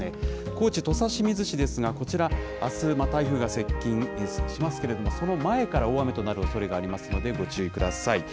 高知・土佐清水市ですが、こちら、あす、台風が接近しますけれども、その前から大雨となるおそれがありますので、ご注意ください。